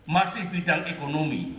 masih bidang ekonomi